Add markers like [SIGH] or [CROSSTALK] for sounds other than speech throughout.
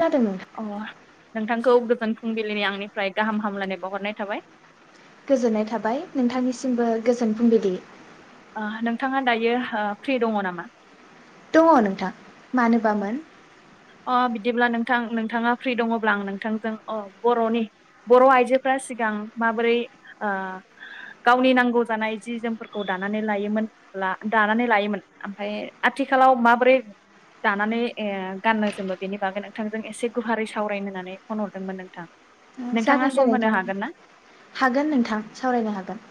खोनादों नोंथां अ नोंथां खौ गोजोन फुंबिलिनि आंनिफ्राय गाहाम हामलायनाय बावहरनाय थाबाय। गोजोननाय थाबाय नोंथांनिसिमबो गोजोन फुंबिलि। ओ नोंथाङा दायो ओ फ्रि दङ नामा? दङ नोंथां। औ मानोबामोन? अ बिदिब्ला नोंथां नोंथाङा फ्रि दङब्ला आं नोंथांजों अ बरनि बर आइजोफोरा सिगां माबोरै ओ गावनि नांगौ जानाय जि जोमफोरखौ दानानै लायोमोन ला दानानै लायोमोन ओमफ्राय आथिखालाव माबोरै दानानै ओ गाननो जोमबो बेनि बागै नोंथांजों एसे गुवारै सावरायनो होननानै फन हरदोंमोन नोंथां नोंथाङा जागोन दे सम होनो नोंथां हागोन ना हागोन नोंथां सावरायनो हागोन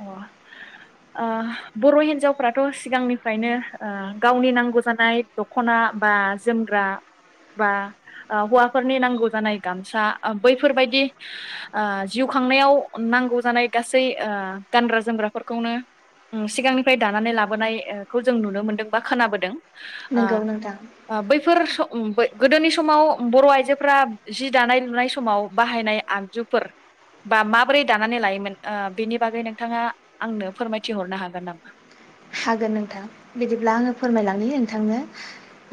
अ बर' हिनजावफथ' सिगांनिफ्रायनो गावनि नांगौ जानाय दख'ना बा जोमग्रा बा हौवाफोरनि नांगौ जानाय गामसा बैफोरबायदि जिउ खांनायाव नांगौ जानाय गासै गानग्रा जोमग्राफोरखौनो सिगांनिफ्राय दानानै लाबोनायखौ जों नुनो मोनदों बा खोनाबोदों नंगौ नोंथां बेफोर सम गोदोनि समाव बर' आइजोफोरा जि दानाय लुनाय समाव बाहायनाय आगजुफोर बा माबोरै दानानै लायोमोन बेनि बागै नोंथाङा आंनो फोरमायथिहरनो हागोन नामा? हागोन नोंथां बिदिब्ला आङो फोरमायलांनि नोंथांनो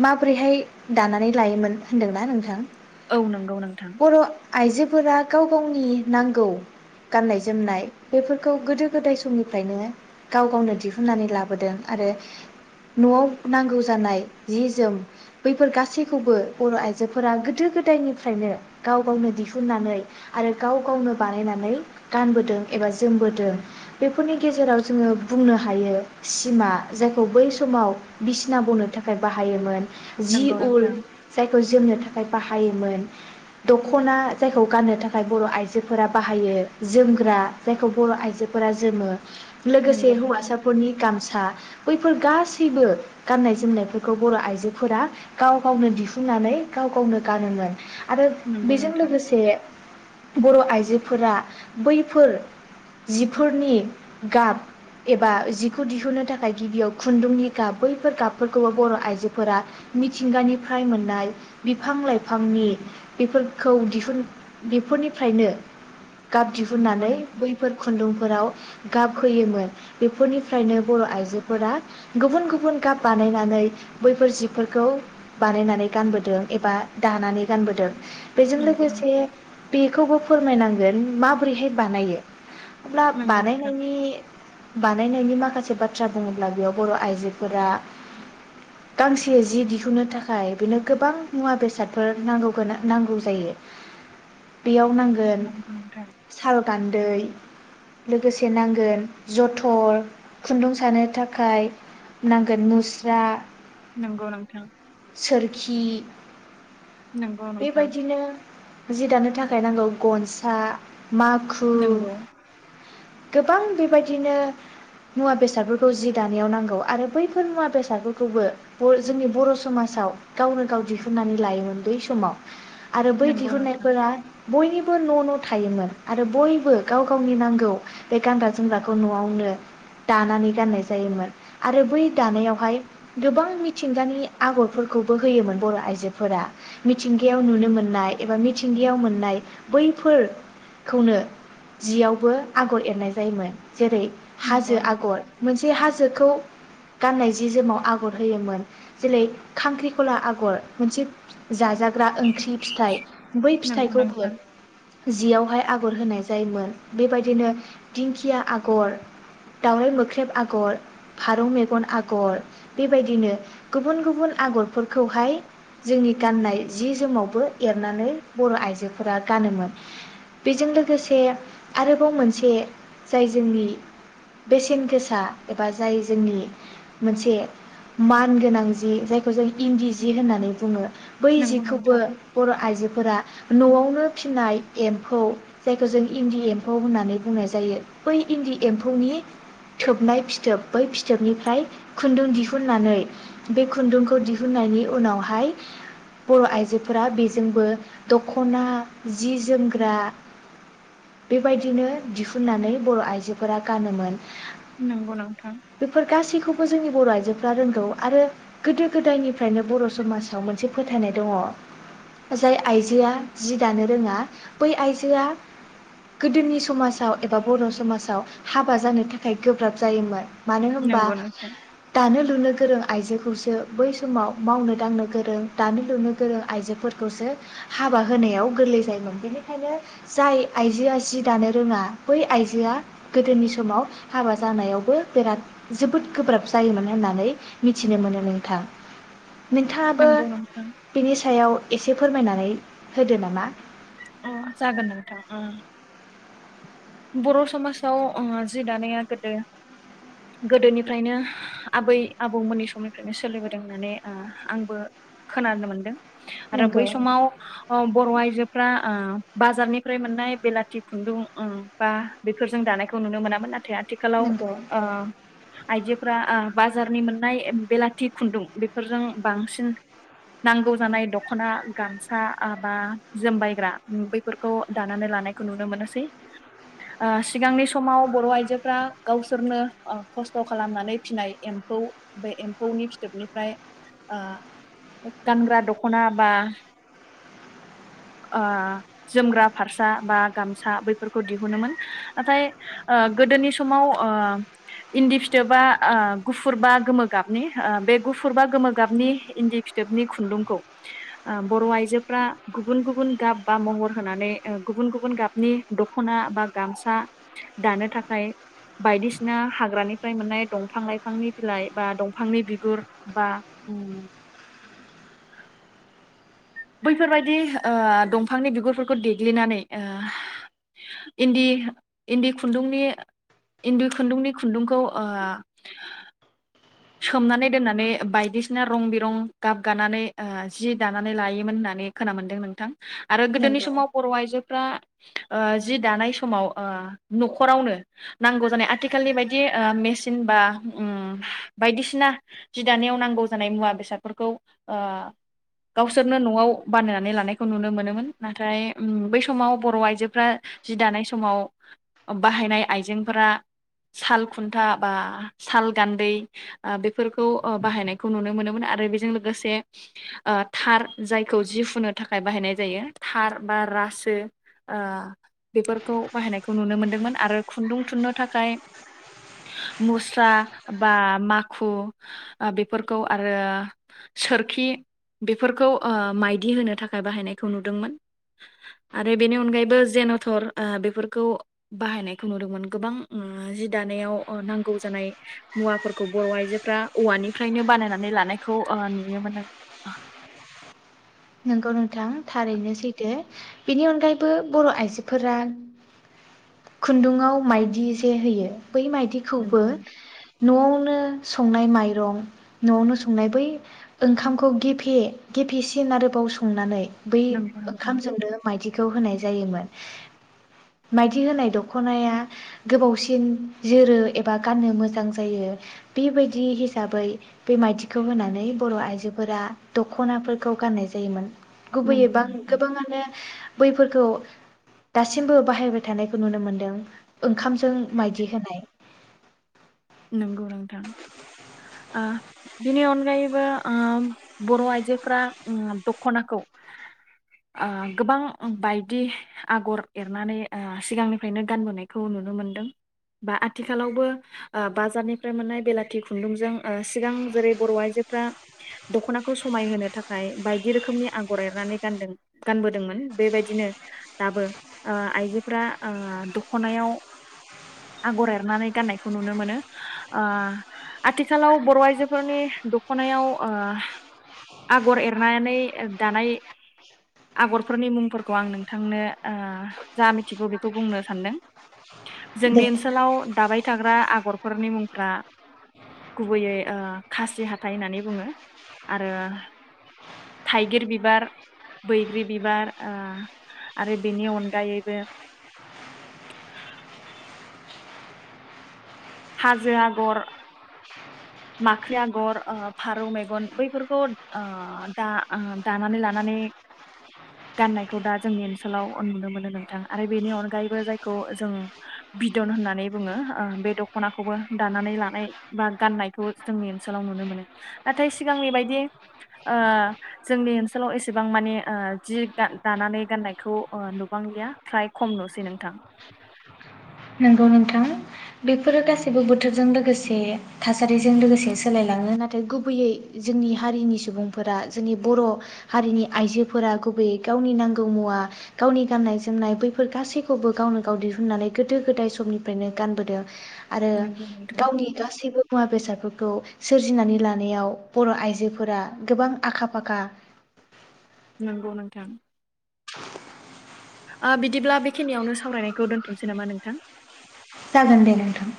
माबोरैहाय दानानै लायोमोन होनदोंना नोंथां औ नंगौ नोंथां बर' आइजोफोरा गाव गावनि नांगौ गाननाय जोमनाय बेफोरखौ गोदो गोदाय समनिफ्रायनो गाव गावनो दिहुननानै लाबोदों आरो न'आव नांगौ जानाय जि जोम बैफोर गासैखौबो बर' आइजोफोरा गोदो गोदायनिफ्रायनो गाव गावनो दिहुननानै आरो गाव गावनो बानायनानै गानबोदों एबा जोमबोदों बेफोरनि गेजेराव जोङो बुंनो हायो सिमा जायखौ बै समाव बिसिना बनो थाखाय बाहायोमोन जि नंगौ उल नोंथां जायखौ जोमनो थाखाय बाहाय हायोमोन दख'ना जायखौ गाननो थाखाय बर' आइजोफोरा बाहायो जोमग्रा जायखौ बर' आइजोफोरा जोमो लोगोसे नंगौ नोंथां हौवासाफोरनि गामसा बैफोर गासैबो गाननाय जोमनायफोरखौ बर' आइजोफोरा गाव गावनो दिहुननानै गाव गावनो गानोमोन आरो नंगौ बेजों नोंथां लोगोसे बर' आइजो फोरा बैफोर जिफोरनि गाब एबा बेखौ दिहुननो थाखाय गिबियाव खुन्दुंनि गाब बैफोर गाबफोरखौबो बर' आइजोफोरा मिथिंगानिफ्राय मोननाय बिफां लाइफांनि बेफोरखौ दिहुन बेफोरनिफ्रायनो गाब नंगौ दिहुननानै नोंथां बैफोर खुन्दुंफोराव गाब होयोमोन बेफोरनि फ्रायनो बर' आइजोफोरा गुबुन गुबुन गाब बानायनानै बैफोर जिफोरखौ बानायनानै गानबोदों एबा दानानै गानबोदों बेजों नंगौ लोगोसे नोंथां बेखौबो फोरमायनांगौ माबोरैहाय बानायो? अब्लाब बानायनायनि बानायनो माखासे बाथ्रा बुङोब्ला बेयाव बर' आइजोफोरा गांसे जि दिहुननो थाखाय बेनो गोबां मुवा बेसादफोर नांगौ जायो, बेयाव नांगोन नंगौ नोंथां साल गान्दै लोगोसे नांगोन जथर खुन्दुं सानो थाखाय नांगोन मुस्रा नंगौ नोंथां सोरखि नंगौ नोंथां बेबायदिनो जि दानो थाखाय नांगौ गनसा माखु नंगौ गोबां बेबायदिनो मुवा बेसादफोरखौ जि दानायाव नांगौ आरो बैफोर मुवा बेसादफोरखौबो जोंनि बर' समाजाव गावनो गाव दिहुननानै लायोमोन बै समाव । आरो बै दिहुननायफोरा बयनिबो न' न' थायोमोन आरो बयबो गाव गावनि नांगौ बे गानग्रा जोमग्राखौ न'आवनो दानानै गाननाय जायोमोन आरो बै दानायावहाय गोबां मिथिंगानि आगरफोरखौबो होयोमोन बर' आइजोफोरा मिथिंगायाव नुनो मोननाय एबा मिथिंगायाव मोननाय बैफोर खौनो जियावबो आगर एरनाय जायोमोन । जेरै हाजो आग मोनसे हाजोखौ गाननाय जि जोमाव आगर होयोमोन जेरै खांख्रिखला आगर मोनसे जाजाग ग्रा ओंख्रि फिथाइ बै फिथाइखौ नंगौ नोंथां जियावहाय आगर होनाय जायोमोन बेबायदिनो दिंखिया आगर । दावराइ मोख्रेब आगर, फारौ मेगन आगर बेबायदिनो गुबुन गुबुन आगरफोरखौहाय जोंनि गाननाय जि जोमावबो एरनानै बर' आइजोफोरा गानोमोन बेजों लोगोसे आरोबाव मोनसे जाय जोंनि बेसेन गोसा एबा जाय जोंनि मोनसे मान गोनां जि जायखौ जों इन्दि जि होननानै बुङो । बै नंगौ नंगौ जिखौबो नोंथां बर' आइजोफोरा न'आवनो फिनाय एम्फौ जायखौ जों इन्दि एम्फौ होननानै बुंनाय जायो बै इन्दि एम्फौनि थोबनाय फिथोब बै फिथोबनिफ्राय खुन्दुं दिहुननानै बे खुन्दुंखौ दिहुननायनि उनावहाय बर' आइजोफोरा बेजोंबो दख'ना जि जोमग्रा बेबायदिनो दिहुननानै बर' आइजोफोरा गानोमोन । नंगौ नोंथां । बो जोंनि बर' आइजोफ्रा रोंगौ आरो गोदो गोदायनिफ्रायनो बर' समाजाव मोनसे फोथायनाय दङ जाय आइजोआ जि दानो रोङा बै आइजोआ गोदोनि समाजाव एबा बर' समाजाव हाबा जानो था खाय गोब्राब जायोमोन । मानो होनबा नंगौ नोंथां दानो लुनो गोरों आइजो खौसो बै समाव मावनो दांनो गोरों दानो लुनो गोरों आइजोफोरखौसो हाबा होनायाव गोरलै जायोमोन बेनिखायनो जाय आइजोआ जि दानो रोङा बै आइजोआ गोदोनि समाव हाबा जानायावबो बिराद जोबोद गोब्राब जायोमोन होननानै मिथिनो मोनो नोंथां । नोंथांङाबो नंगौ नोंथां बिनि सायाव एसे फोरमायनानै होदो नामा? अ जागोन नोंथां उम्म बर' समाजाव उम्म जि दानाया गोदो गोदोनिफ्रायनो आबै आबौमोननि समनिफ्रायनो सोलिबोदों होननानै ओ आंबो खोनानो मोनदों । आरो बै नंगौ समाव अ बर' आइजो फ्रा बाजारनिफ्राय मोननाय बेलाथि खुन्दुं बा बेफोरजों दानायखौ नुनो मोनामोन नाथाय आ थिखालाव नंगौ ओ आइजो फ्रा आ बाजारनि मोननाय बेलाथि खुन्दुं बेफोरजों बांसिन नांगौ जानाय दख'ना गामसा आबा जोमबायग्रा बैफोरखौ दानानै लानायखौ नुनो मोनोसै ओ सिगांनि समाव बर' आइजोफोरा गावसोरनो खस्थ' खालामनानै फिनाय एम्फौ बे एम्फौनि फिथोबनिफ्राय ओ गानग्रा दख'ना बा ओ जोमग्रा फारसा बा गामसा बैफोरखौ दिहुनोमोन नाथाय गोदोनि समाव इन्दि फिथोबा गुफुर बा गोमो गाबनि बे गुफुर बा गोमो गाबनि इन्दि फिथोबनि खुन्दुंखौ बर' आइजोफ्रा गुबुन गुबुन गाब बा महर होनानै गुबुन गुबुन गाबनि दख'ना बा गामसा दानो थाखाय बायदिसिना हाग्रानिफ्राय मोननाय दंफां लाइफांनि बिलाइ बा दंफांनि बिगुर बा उम्म बैफोरबायदि ओ दंफांनि बिगुरफोरखौ देग्लिनानै ओ इन्दि इन्दि खुन्दुंनि इन्दि खुन्दुंनि खुन्दुंखौ ओ सोमनानै दोननानै बायदिसिना रं बिरं गाब गानानै जि दानानै लायोमोन होननानै खोनामोन्दों नोंथां । आरो गोदोनि नंगौ समाव बर' आइजोफ्रा ओ जि दानाय समाव ओ न'खरावनो नांगौ जानाय आथिखालनि बायदि मेसिन बा उम्म बायदिसिना जि दानायाव नांगौ जानाय मुवा बेसादफोरखौ ओ गावसोरनो न'आव बानायनानै लानायखौ नुनो मोनोमोन नाथाय बै समाव बर' आइजोफ्रा जि दानाय समाव बाहायनाय आइजेंफोरा साल खुन्था बा साल गान्दै । बेफोरखौ बाहायनायखौ नुनो मोनोमोन आरो बेजों लोगोसे ओ थार जायखौ जि हुनो थाखाय बाहायनाय जायो थार बा रासो ओ बेफोरखौ बाहायनायखौ नुनो मोनदोंमोन आरो खुन्दुं थुननो थाखाय मुस्रा बा माखु बेफोरखौ आरो सोरखि बेफोरखौ माइदि होनो थाखाय बाहायनायखौ नुदोंमोन आरो बेनि अनगायैबो जेन'थर बेफोरखौ बाहायनायखौ नुदोंमोन गोबां उम्म जि दानायाव नांगौ जानाय मुवाफोर बर' आइजोफ्रा औवानिफ्रायनो बानायनानै लानायखौ ओ नुयोमोन नों ओ नंगौ नोंथां थारैनो सैथो बेनि अनगायैबो बर' आइजोफोरा खुन्दुङाव माइदि जे होयो बै मायदिखौबो नोंगौ नोंथां न'आवनो संनाय माइरं न'आवनो संनाय बै ओंखामखौ गेफे गेफेसिन आरो गोबाव संनानै बै नंगौ नोंथां ओंखामजोंनो माइदि होनाय जायोमोन माइदि होनाय दखनाया गोबावसिन जोरो एबा गाननो मोजां जायो बेबायदि हिसाबै बे माइदिखौ होनानै बर' आइजोफोरा दखनाफोरखौ गाननाय जा योमोन नंगौ गुबैयैबा नोंथां गोबाङानो बैफोरखौ दासिमबो बाहायबाय थानायखौ नुनो मोन्दों ओंखामजों माइदि होनाय नंगौ नोंथां ओ बिनि अनगायैबो बर' आइजोफोरा दख'नाखौ ओ गोबां बायदि आगर एरनानै सिगांनिफ्रायनो गानबोनायखौ नुनो मोनदों बा आथिखालावबो बाजारनिफ्राय मोननाय बेलाथि खुन्दुंजों सिगां जेरै बर' आइजोफ्रा दख'नाखौ समायहोनो थाखाय बायदि रोखोमनि आगर एरनानै गानदों गानबोदोंमोन बेबायदिनो दाबो आइजोफ्रा दख'नायाव आगर एरनानै गाननायखौ नुनो नुनो मोनो आथिखालाव बर' आइजोफोरनि दख'नायाव आगर एरनानै दानाय आगरफोरनि मुंफोरखौ आं नोंथांनो ओ जा मिथिगौ बेखौ बुंनो सानदों दे जोंनि ओनसोलाव दाबाय थाग्रा आग'रफोरनि मुंफ्रा गुबैयै ओ खासि हाथाइ होननानै बुङो आरो थाइगिर बिबार बैग्रि बिबार आरो बेनि अनगायैबो हाजो आगर माख्रि आगर ओ फारौ मेगन बैफोरखौ दा दानानै लानानै गाननायखौ दा जोंनि ओनसोलाव नुनो मोनो नोंथां आरो बेनि अनगायैबो जायखौ जों बिदन होननानै बुङो ओ बे दख'नाखौबो दानानै लानाय बा गाननाय नायखौ जोंनि ओनसोलाव नुनो मोनो नाथाय सिगांनि बायदि जोंनि ओनसोलाव एसेबां माने जि दानानै गाननायखौ नुबांलिया फ्राय खम नुसै नोंथां नंगौ नोंथां बेफोरो गासैबो बोथोरजों लोगोसे थासारिजों लोगोसे सोलायलाङो नाथाय गुबैयै जोंनि हारिनि सुबुंफोरा जोंनि बर' हारिनि आइजोफोरा गुबैयै गावनि नांगौ मुवा गावनि गाननाय जोमनाय बैफोर गासैखौबो गावनो गाव दिहुननानै गोदो गोदाय समनिफ्रायनो गानबोदों आरो नंगौ नोंथां। गावनि गासैबो मुवा बेसादफोरखौ खौ सोरजिनानै लानायाव बर' आइजोफोरा गोबां आखा फाखा नंगौ नोंथां [INAUDIBLE] ओ बिदिब्ला बेखिनियावनो सावरायनायखौ दोनथ'नोसै नामा नोंथां जागोन दे नोंथां